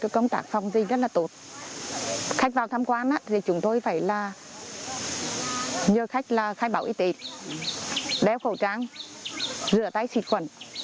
các khách vào thăm quan thì chúng tôi phải là nhờ khách là khai báo y tế đeo khẩu trang rửa tay xịt khuẩn